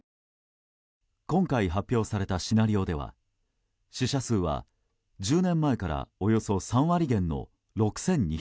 今回発表されたシナリオでは死者数は１０年前からおよそ３割減の６２００人。